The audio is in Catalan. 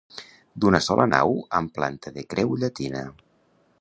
D'una sola nau amb planta de creu llatina.